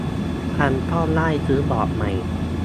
พังก็ได้ซื้อบอร์ดใหม่